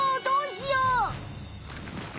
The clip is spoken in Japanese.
どうしよう！？